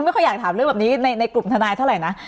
ไม่ค่อยอยากถามเรื่องแบบนี้ในกลุ่มทนายเท่าไหร่นะ